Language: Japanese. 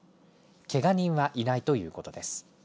けが人はいないということです。